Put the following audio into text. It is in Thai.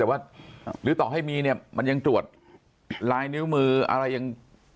แต่ว่าหรือต่อให้มีเนี่ยมันยังตรวจลายนิ้วมืออะไรยัง